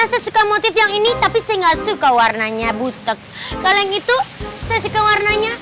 sesuka motif yang ini tapi saya nggak suka warnanya buteg kalian itu sesuka warnanya